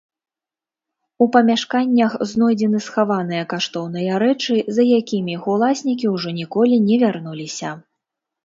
У памяшканнях знойдзены схаваныя каштоўныя рэчы, за якімі іх уласнікі ўжо ніколі не вярнуліся.